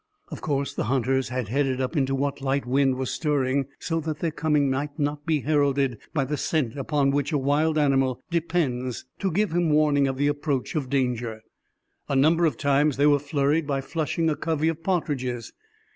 Of course, the hunters had headed up into what light wind was stirring, so that their coming might not be heralded by the scent upon which a wild animal depends to give him warning of the approach of danger. A number of times they were flurried by flushing a covey of partridges.